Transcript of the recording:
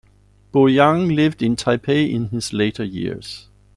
Bo Yang lived in Taipei in his later years.